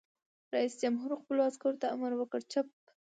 رئیس جمهور خپلو عسکرو ته امر وکړ؛ چپ!